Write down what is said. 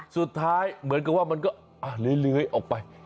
สุดท้ายเหมือนกับว่ามันก็เลื้อยออกไป